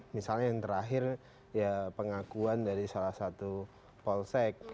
misalnya yang terakhir ya pengakuan dari salah satu polsek